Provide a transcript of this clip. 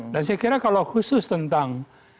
dan saya kira kalau khusus tentang